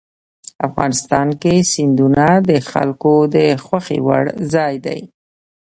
افغانستان کې سیندونه د خلکو د خوښې وړ ځای دی.